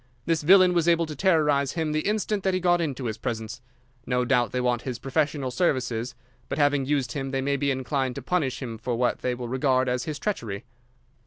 This villain was able to terrorise him the instant that he got into his presence. No doubt they want his professional services, but, having used him, they may be inclined to punish him for what they will regard as his treachery."